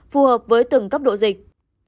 phù hợp với từng cấp độ dịch